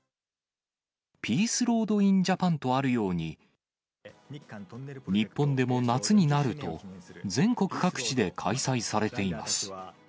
ピースロードインジャパンとあるように、日本でも夏になると、全国各地で開催されています。